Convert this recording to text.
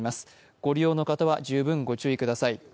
ご利用の方は十分ご注意ください。